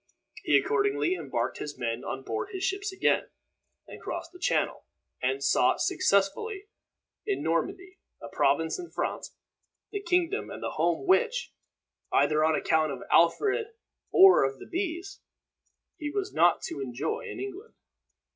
He accordingly embarked his men on board his ships again, and crossed the Channel, and sought successfully in Normandy, a province of France the kingdom and the home which, either on account of Alfred or of the bees, he was not to enjoy in England.